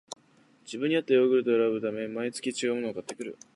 自分にあったヨーグルトを選ぶため、毎月ちがうものを買っている